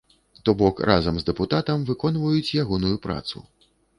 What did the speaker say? То бок, разам з дэпутатам выконваюць ягоную працу.